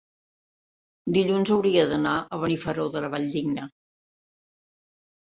Dilluns hauria d'anar a Benifairó de la Valldigna.